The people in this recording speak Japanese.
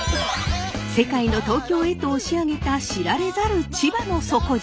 世界の東京へと押し上げた知られざる千葉の底力。